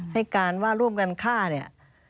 ให้การว่าร่วมกันฆ่าเนี่ย